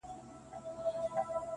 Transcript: • څوک چي له گلاب سره ياري کوي.